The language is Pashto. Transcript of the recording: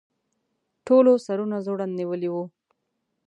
ټولو سرونه ځوړند نیولي وو.